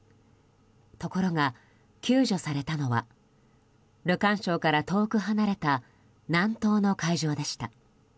ところが、救助されたのはルカン礁から遠く離れた南東の海上でした。